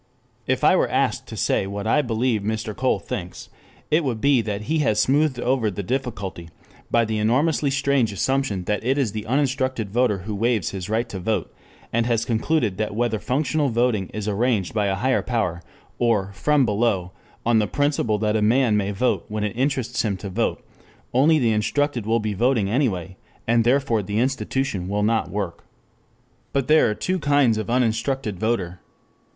If I were asked to say what I believe Mr. Cole thinks, it would be that he has smoothed over the difficulty by the enormously strange assumption that it is the uninstructed voter who waives his right to vote; and has concluded that whether functional voting is arranged by a higher power, or "from below" on the principle that a man may vote when it interests him to vote, only the instructed will be voting anyway, and therefore the institution will work. But there are two kinds of uninstructed voter.